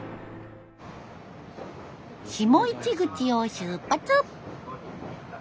下市口を出発！